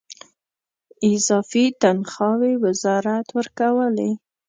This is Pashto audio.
اضافي تنخواوې وزارت ورکولې.